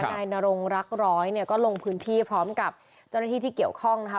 นายนรงรักร้อยเนี่ยก็ลงพื้นที่พร้อมกับเจ้าหน้าที่ที่เกี่ยวข้องนะคะ